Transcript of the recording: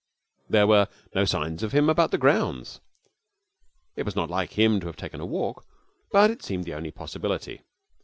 There were no signs of him about the grounds. It was not like him to have taken a walk, but it seemed the only possibility.